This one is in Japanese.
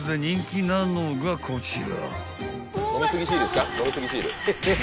［こちら］